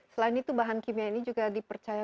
selain itu bahan kimia ini juga dipercaya